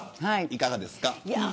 いかがですか。